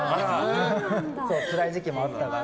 つらい時期もあったから。